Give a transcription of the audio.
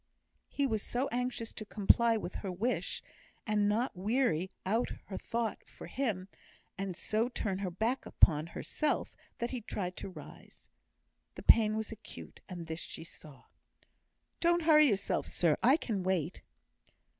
He was so anxious to comply with her wish, and not weary out her thought for him, and so turn her back upon herself, that he tried to rise. The pain was acute, and this she saw. "Don't hurry yourself, sir; I can wait."